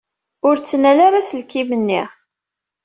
Ur ttnal ara aselkim-nni.